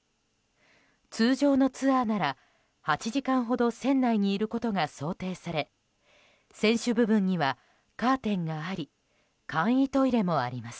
通常のツアーなら８時間ほど船内にいることが想定され船首部分には、カーテンがあり簡易トイレもあります。